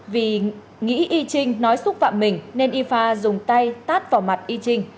vì nghĩ y trinh nói xúc phạm mình nên y pha dùng tay tát vào mặt y trinh